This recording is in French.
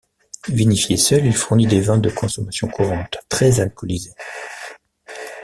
Vinifié seul, il fournit des vins de consommation courante très alcoolisés.